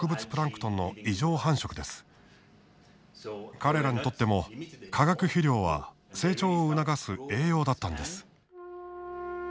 彼らにとっても化学肥料は成長を促す栄養だったんです。